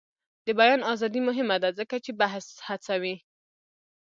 د بیان ازادي مهمه ده ځکه چې بحث هڅوي.